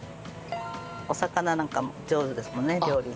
お魚なんかも上手ですもんね料理。